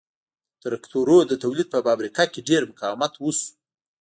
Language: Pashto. د ترکتورونو د تولید په فابریکه کې ډېر مقاومت وشو